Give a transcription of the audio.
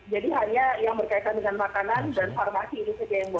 jadi hanya yang berkaitan dengan makanan dan farmasi itu saja yang boleh